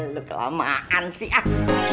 lu kelamaan sih